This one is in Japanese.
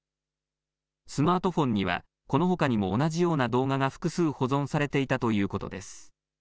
スマートフォンには、このほかにも同じような動画が複数保存されていたということです。